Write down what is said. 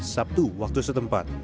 sabtu waktu setempat